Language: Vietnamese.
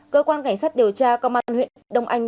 cơ quan cảnh sát điều tra công an huyện đông anh